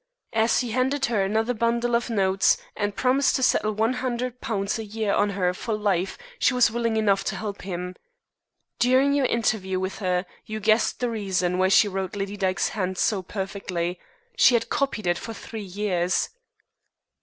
As he handed her another bundle of notes, and promised to settle £100 a year on her for life, she was willing enough to help him. During your interview with her you guessed the reason why she wrote Lady Dyke's hand so perfectly. She had copied it for three years."